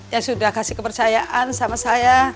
ya sudah kasih kepercayaan sama saya